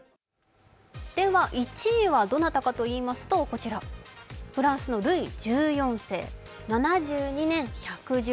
では１位はどなたかといいますと、フランスのルイ１４世。７２年１１０日。